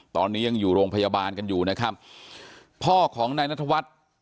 ตอนนี้ยังอยู่โรงพยาบาลกันอยู่นะครับพ่อของนายนัทวัฒน์